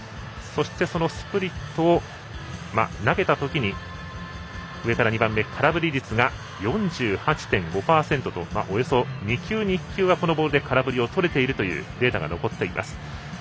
そしてスプリットを投げたときに上から２番目空振り率が４８．５％とおよそ２球に１球はこのボールで空振りをとれているというデータが残っています。